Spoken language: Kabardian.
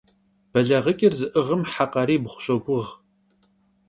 Belağıç'ır zı'ığım he kharibğu şoguğ.